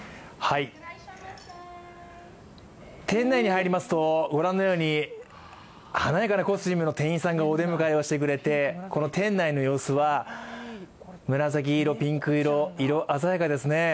店内に入りますとご覧のように華やかなコスチュームの店員さんがお出迎えしてくれて店内の様子は紫色、ピンク色、色鮮やかですね。